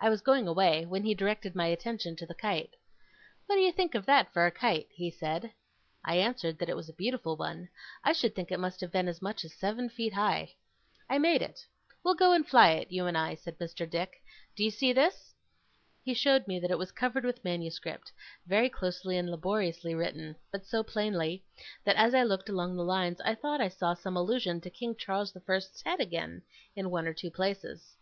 I was going away, when he directed my attention to the kite. 'What do you think of that for a kite?' he said. I answered that it was a beautiful one. I should think it must have been as much as seven feet high. 'I made it. We'll go and fly it, you and I,' said Mr. Dick. 'Do you see this?' He showed me that it was covered with manuscript, very closely and laboriously written; but so plainly, that as I looked along the lines, I thought I saw some allusion to King Charles the First's head again, in one or two places.